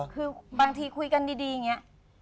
คือบางทีคุยกันดีอย่างนี้